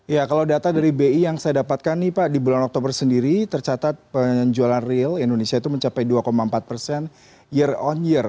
ya kalau data dari bi yang saya dapatkan nih pak di bulan oktober sendiri tercatat penjualan real indonesia itu mencapai dua empat persen year on year